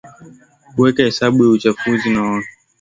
kuweka hesabu ya uchafuzi wa hewa kutoka